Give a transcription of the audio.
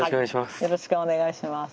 よろしくお願いします。